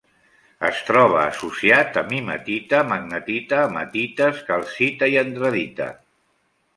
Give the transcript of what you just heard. Es trobà associat a mimetita, magnetita, hematites, calcita i andradita.